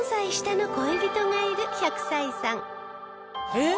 えっ！